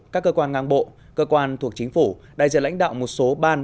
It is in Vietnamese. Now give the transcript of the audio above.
các cơ quan ngang bộ cơ quan thuộc chính phủ đại diện lãnh đạo một số ban